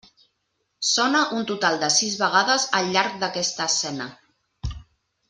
Sona un total de sis vegades al llarg d'aquesta escena.